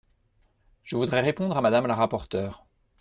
Je voudrais répondre à Madame la rapporteure.